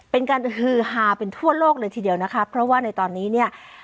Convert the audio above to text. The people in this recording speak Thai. เป็นการฮือฮาเป็นทั่วโลกเลยทีเดียวนะคะเพราะว่าในตอนนี้เนี่ย